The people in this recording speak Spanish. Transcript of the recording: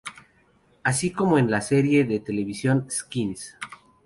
Así como en la serie de televisión Skins.